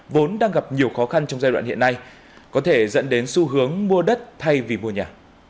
vốn đang gặp nhiều khó khăn trong giai đoạn hiện nay có thể dẫn đến xu hướng mua đất thay vì mua nhà